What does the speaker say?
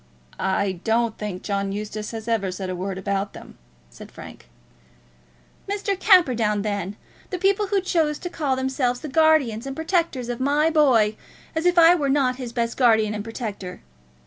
"I don't think John Eustace has ever said a word about them," said Frank. "Mr. Camperdown, then; the people who choose to call themselves the guardians and protectors of my boy, as if I were not his best guardian and protector!